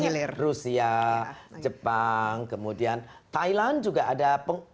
ya itu tadi contohnya rusia jepang kemudian thailand juga ada pengusaha pengusaha